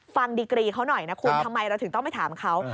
ฟังดีกรีเขาหน่อยนะคุณทำไมเราถึงต้องไปถามเขา